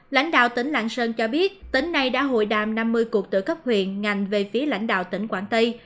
lãnh đạo tỉnh làng sơn cho biết tỉnh này đã hội đàm năm mươi cuộc tự cấp huyện ngành về phía lãnh đạo tỉnh quảng tây